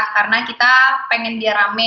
karena kita pengen dia rame